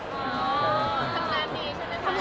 ทำงานดี